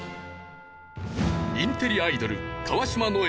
インテリアイドル川島如恵